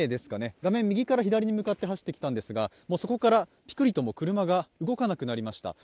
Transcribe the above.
画面右から左に向かって走ってきたんですがそこからぴくりとも車が動かなくなりました。